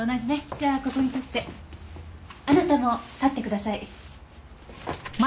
じゃあここに立って。あなたも立ってください。